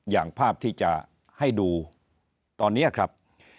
อย่างภาพที่จะให้ดูตอนนี้ครับ